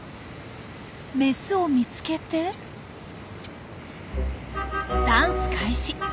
メスを見つけてダンス開始。